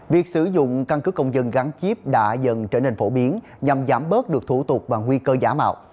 việc sử dụng căn cứ công dân gắn chip đã dần trở nên phổ biến nhằm giảm bớt được thủ tục và nguy cơ giả mạo